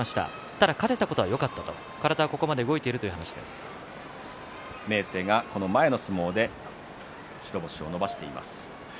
ただ勝てたことはよかったと体がここまで動いていると明生はこの前の相撲で白星を伸ばしています。